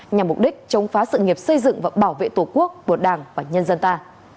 nhằm mục đích chống phá sự nghiệp xây dựng và bảo vệ tổ quốc của đảng và nhân dân ta